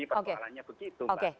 persoalannya begitu pak